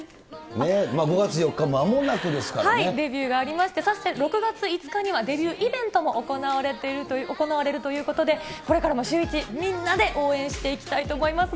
５月４日、まもなくですからデビューがありまして、そして６月５日にはデビューイベントも行われるということで、これからもシューイチ、みんなで応援していきたいと思います。